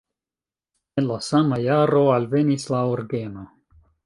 En la sama jaro alvenis la orgeno.